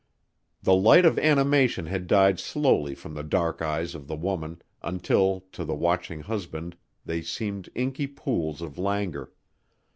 The light of animation had died slowly from the dark eyes of the woman, until to the watching husband they seemed inky pools of languor.